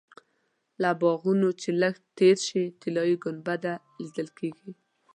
له باغونو چې لږ تېر شې طلایي ګنبده لیدل کېږي.